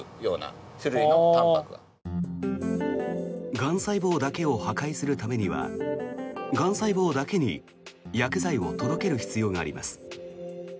がん細胞だけを破壊するためにはがん細胞だけに薬剤を届ける必要があります。